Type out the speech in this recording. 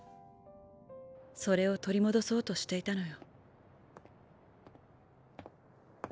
それを取り戻そうとしていたのよ。